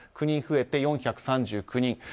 ９人増えて４３９人。